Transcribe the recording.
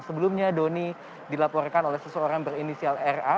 sebelumnya doni dilaporkan oleh seseorang berinisial ra